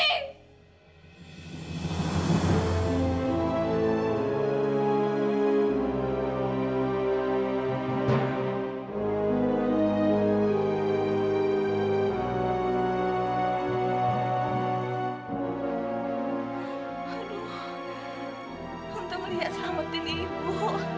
aduh untuk melihat selamat ini ibu